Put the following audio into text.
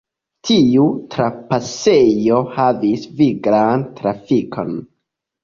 Tiu trapasejo havis viglan trafikon.